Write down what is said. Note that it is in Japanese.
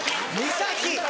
⁉岬